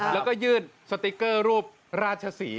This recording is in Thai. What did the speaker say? แล้วก็ยื่นสติ๊กเกอร์รูปราชศรี